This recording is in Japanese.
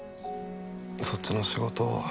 そっちの仕事